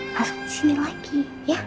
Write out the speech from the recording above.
langsung disini lagi ya